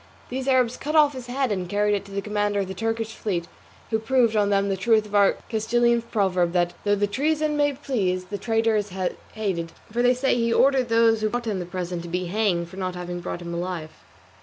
These Arabs cut off his head and carried it to the commander of the Turkish fleet, who proved on them the truth of our Castilian proverb, that "though the treason may please, the traitor is hated;" for they say he ordered those who brought him the present to be hanged for not having brought him alive.